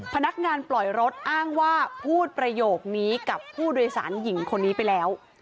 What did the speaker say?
พนักงานปล่อยรถอ้างว่าพูดประโยคนี้กับผู้โดยสารหญิงคนนี้ไปแล้ว